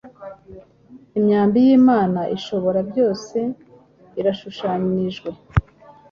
Imyambi y'Imana ishobora byose irashushanijwe!